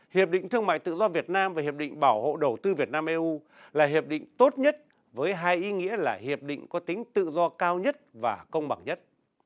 hiệp định thương mại tự do việt nam và hiệp định bảo hộ đầu tư việt nam eu là hiệp định tốt nhất với hai ý nghĩa là hiệp định có tính tự do cao nhất và công bằng nhất